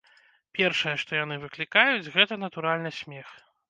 Першае, што яны выклікаюць, гэта, натуральна, смех.